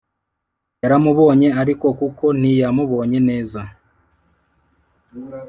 yaramubonye ariko kuko ntiyamubonye neza